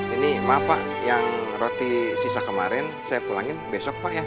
ini maaf pak yang roti sisa kemarin saya pulangin besok pak ya